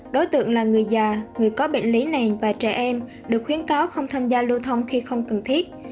đối tượng là người già người có bệnh lý nền và trẻ em được khuyến cáo không tham gia lưu thông khi không cần thiết